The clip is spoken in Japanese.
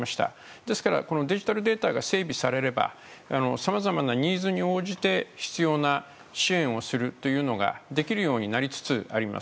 ですから、このデジタルデータが整備されればさまざまアニーズに応じて必要な支援をするというのができるようになりつつあります。